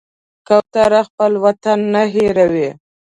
کوتره خپل وطن نه هېروي.